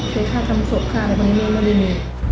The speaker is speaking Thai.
ใช้ค่าทำศพค่าในบรรยาไม่มี